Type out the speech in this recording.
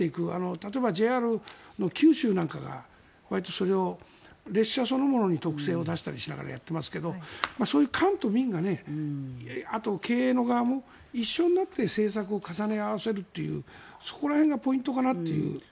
例えばＪＲの九州なんかが列車そのものに特性を出したりしながらやっていますがそういう官と民あと経営の側も一緒になって政策を重ね合わせるというそこら辺がポイントかなという。